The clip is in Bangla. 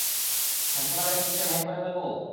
হাসপাতালের সিস্টেম হ্যাঁক করে ফেলব?